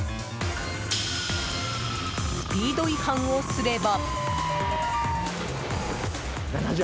スピード違反をすれば。